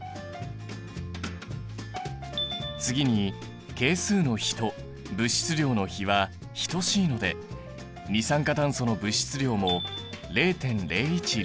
次に係数の比と物質量の比は等しいので二酸化炭素の物質量も０．０１００ｍｏｌだね。